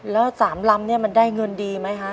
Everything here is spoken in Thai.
แล้ว๓ลำเนี่ยมันได้เงินดีไหมฮะ